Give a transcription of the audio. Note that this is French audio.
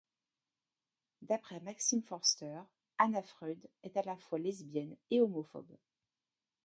D'après Maxime Foerster, Anna Freud est à la fois lesbienne et homophobe.